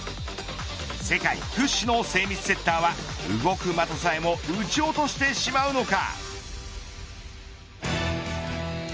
世界屈指の精密セッターは動く的さえも打ち落としてしまうのか。